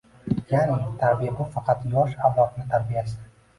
Ya’ni, tarbiya bu faqat yosh avlodni tarbiyasi.